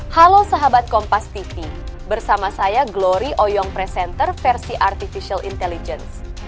halo sahabat kompas tv bersama saya glory oyong presenter versi artificial intelligence